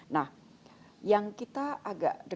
nah yang kita agak deg degan pada saat ini